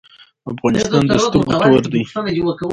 افغانستان د سترګو تور دی